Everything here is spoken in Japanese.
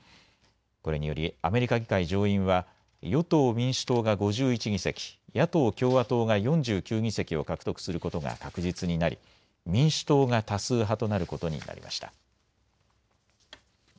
これによりアメリカ議会上院は与党・民主党が５１議席、野党・共和党が４９議席を獲得することが確実になり民主党が多数派となることになりました。